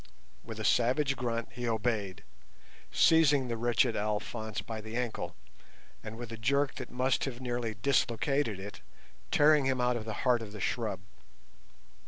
With a savage grunt he obeyed, seizing the wretched Alphonse by the ankle, and with a jerk that must have nearly dislocated it, tearing him out of the heart of the shrub.